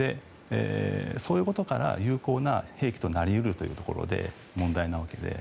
そういうことから有効な兵器となり得るということで問題なわけで。